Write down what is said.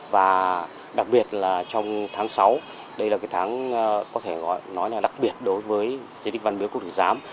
và đặc biệt là trong tháng sáu đây là cái tháng có thể nói là đặc biệt đối với di tích văn miếu quốc tử giám